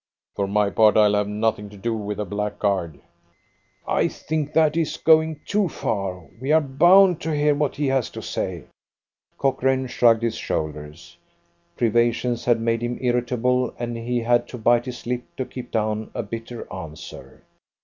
"For my part I'll have nothing to do with the blackguard." "I think that that is going too far. We are bound to hear what he has to say." Cochrane shrugged his shoulders. Privations had made him irritable, and he had to bite his lip to keep down a bitter answer.